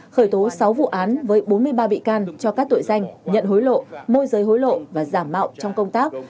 khởi tố sáu vụ án với bốn mươi ba bị can cho các tội danh nhận hối lộ môi giới hối lộ và giảm mạo trong công tác